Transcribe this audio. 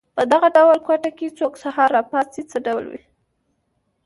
په دغه ډول کوټه کې چې څوک سهار را پاڅي څه ډول وي.